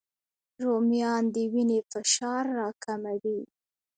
رومیان د وینې فشار راکموي